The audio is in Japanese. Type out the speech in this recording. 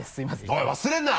おい忘れるな！